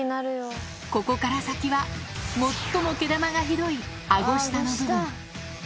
ここから先は最も毛玉がひどいあご下の部分。